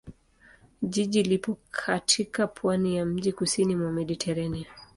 Jiji lipo katika pwani ya mjini kusini mwa Mediteranea.